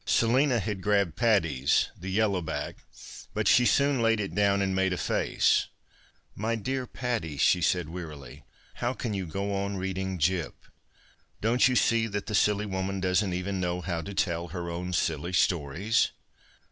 Selina had grabbed Patty's, the yellow back, but she soon laid it down, and made a face. " My dear Patty," she said wearily, " how can you go on reading Gyp ? Don't you sec that tiic silly woman doesn't even know how to tell her own silly stories